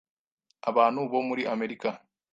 abantu bo muri Amerika,